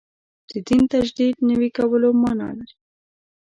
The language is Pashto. دین تجدید نوي کولو معنا لري.